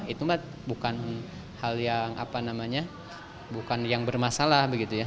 itu mbak bukan hal yang apa namanya bukan yang bermasalah begitu ya